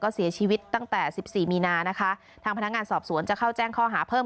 เสียชีวิตตั้งแต่สิบสี่มีนานะคะทางพนักงานสอบสวนจะเข้าแจ้งข้อหาเพิ่ม